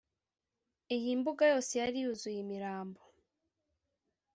iyi mbuga yose yari yuzuye imirambo